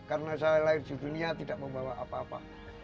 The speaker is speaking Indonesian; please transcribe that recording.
karena saya lahir di dunia tidak membawa apa apa